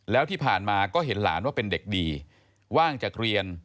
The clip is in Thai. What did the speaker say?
แล้วที่ผ่านมาก็เห็นหลานว่าเป็นเด็กดีว่างจากเรียน